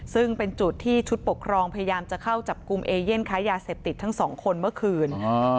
ซึ่งเป็นจุดที่ชุดปกครองพยายามจะเข้าจับกลุ่มเอเย่นค้ายาเสพติดทั้งสองคนเมื่อคืน